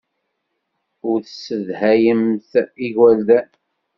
Ur tessedhayemt igerdan.